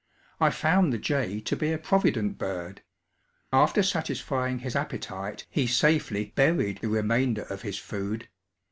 I found the jay to be a provident bird; after satisfying his appetite he safely buried the remainder of his food.